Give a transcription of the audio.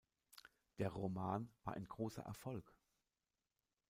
Der Roman war ein großer Erfolg.